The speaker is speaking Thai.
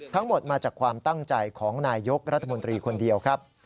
ทั้งหมดมาจากความตั้งใจของนายยกรัฐมนตรีคนเดียวครับ